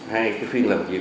hai cái phiên làm việc